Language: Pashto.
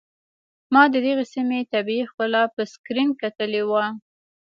ما د دغې سيمې طبيعي ښکلا په سکرين کتلې وه.